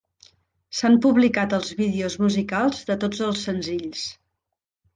S'han publicat els vídeos musicals de tots els senzills.